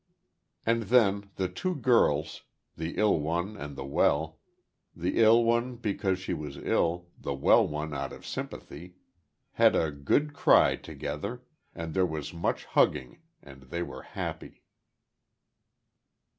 And then the two girls, the ill one and the well the ill one because she was ill the well one out of sympathy, had a good cry together, and there was much hugging and they were happy.